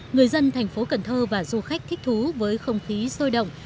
người dân thành phố cần thơ và du khách thích thú với không khí sôi động